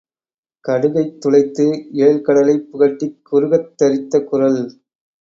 கடுகைத் துளைத்து ஏழ்கடலைப் புகட்டிக் குறுகத் தரித்த குறள்